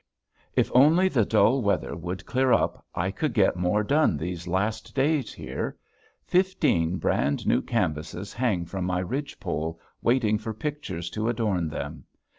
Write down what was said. If only the dull weather would clear up I could get more done these last days here. Fifteen brand new canvases hang from my ridge pole waiting for pictures to adorn them.